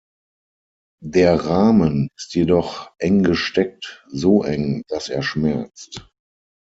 Der Rahmen ist jedoch eng gesteckt, so eng, dass er schmerzt.